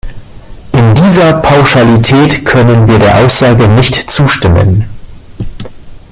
In dieser Pauschalität können wir der Aussage nicht zustimmen.